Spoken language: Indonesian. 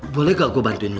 boleh gak gua bantuin lo